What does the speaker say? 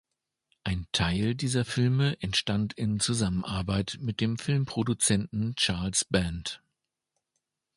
Ein Teil dieser Filme entstand in Zusammenarbeit mit dem Filmproduzenten Charles Band.